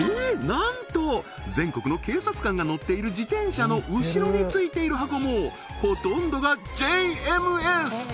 なんと全国の警察官が乗っている自転車の後ろについている箱もほとんどがジェイエムエス！